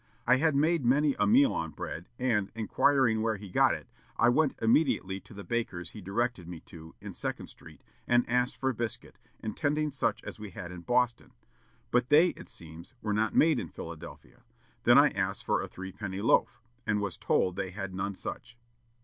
I had made many a meal on bread, and, inquiring where he got it, I went immediately to the baker's he directed me to, in Second Street, and asked for biscuit, intending such as we had in Boston; but they, it seems, were not made in Philadelphia. Then I asked for a threepenny loaf, and was told they had none such.